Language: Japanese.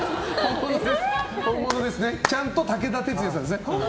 本物ですねちゃんと武田鉄矢さんですね。